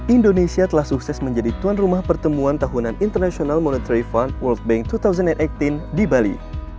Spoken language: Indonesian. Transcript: indonesia telah sukses menjadi tuan rumah pertemuan tahunan international monetary fund world bank dua ribu delapan belas di bali